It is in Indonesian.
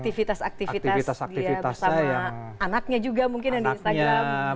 aktivitas aktivitas dia bersama anaknya juga mungkin yang di instagram